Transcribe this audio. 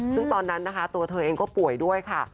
ซึ่งตอนนั้นนะคะตัวเธอเองก็ป่วยด้วยค่ะ